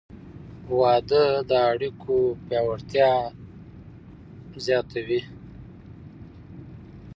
• واده د اړیکو پیاوړتیا زیاتوي.